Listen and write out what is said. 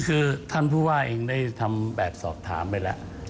คือท่านผู้ว่าเองได้ทำแบบสอบถามไปแล้ว